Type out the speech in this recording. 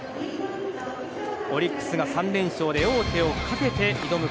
オリックスが３連勝で王手をかけて挑む